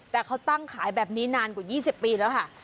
แต่เขาตั้งขายแบบนี้นานกว่า๒๐ปีแล้วค่ะ